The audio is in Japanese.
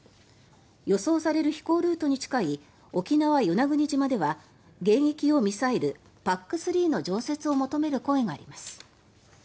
予想される飛行ルートに近い沖縄・与那国島では迎撃用ミサイル、ＰＡＣ３の常設を求める声があります。